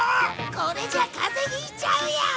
これじゃ風邪引いちゃうよ。